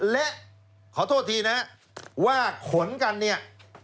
และขอโทษทีนะว่าขนกันเนี่ย